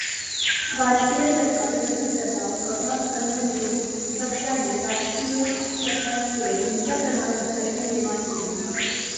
वाजपेयी सरकार वरील दबाव अभाअण्णाद्रमुक पक्षाने वाजपेयी सरकारपुढे मोठया प्रमाणावर प्रश्न निर्माण केले.